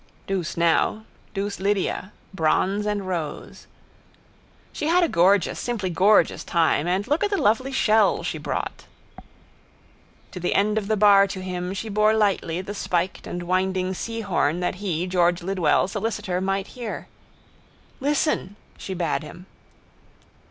Douce now. Douce Lydia. Bronze and rose. She had a gorgeous, simply gorgeous, time. And look at the lovely shell she brought. To the end of the bar to him she bore lightly the spiked and winding seahorn that he, George Lidwell, solicitor, might hear. —Listen! she bade him.